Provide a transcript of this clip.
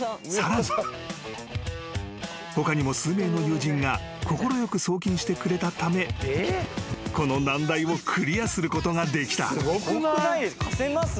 ［他にも数名の友人が快く送金してくれたためこの難題をクリアすることができた］